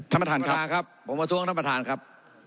ท่านประธานครับผมประท้วงท่านประธานครับ